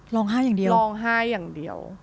รองไห้อย่างเดียว